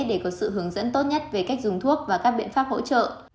để có sự hướng dẫn tốt nhất về cách dùng thuốc và các biện pháp hỗ trợ